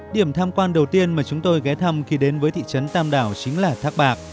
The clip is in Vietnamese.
điểm tham quan đầu tiên mà chúng tôi ghé thăm khi đến với thị trấn tam đảo chính là thác bạc